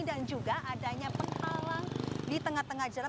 dan juga adanya penhalang di tengah tengah jalan